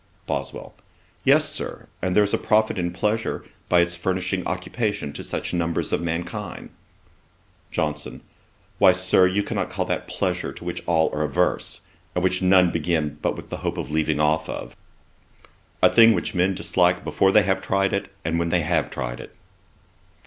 BOSWELL. 'Yes, Sir, and there is a profit in pleasure, by its furnishing occupation to such numbers of mankind.' JOHNSON. 'Why, Sir, you cannot call that pleasure to which all are averse, and which none begin but with the hope of leaving off; a thing which men dislike before they have tried it, and when they have tried it.'